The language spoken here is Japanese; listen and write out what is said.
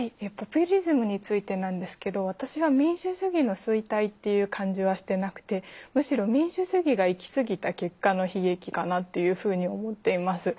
ポピュリズムについてなんですけど私は民主主義の衰退っていう感じはしてなくてむしろ民主主義が行き過ぎた結果の悲劇かなっていうふうに思っています。